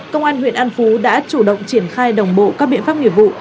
công an huyện an phú đã chủ động triển khai đồng bộ các biện pháp nghiệp vụ